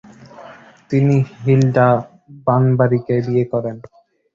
তিনি হিলডা বানবারিকে বিয়ে করেন।